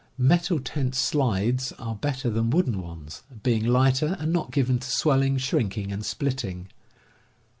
Metal tent slides are better than wooden ones, being lighter and not given to swelling, shrinking, and split ting.